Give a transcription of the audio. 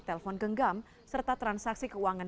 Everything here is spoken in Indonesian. telepon genggam serta transaksi keuangan